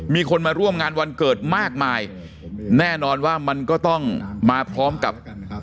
มีคนมาร่วมงานวันเกิดมากมายแน่นอนว่ามันก็ต้องมาพร้อมกับ